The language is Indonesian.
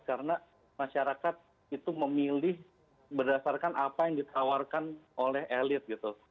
karena masyarakat itu memilih berdasarkan apa yang ditawarkan oleh elit